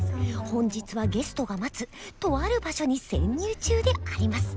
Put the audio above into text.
本日はゲストが待つとある場所に潜入中であります。